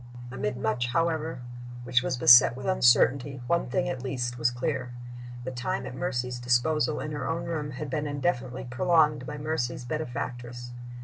Amid much, however, which was beset with uncertainty, one thing at least was clear. The time at Mercy's disposal in her own room had been indefinitely prolonged by Mercy's benefactress.